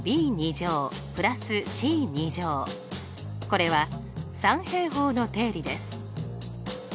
これは三平方の定理です。